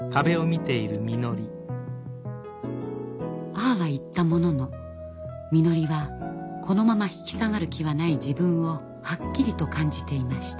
ああは言ったもののみのりはこのまま引き下がる気はない自分をはっきりと感じていました。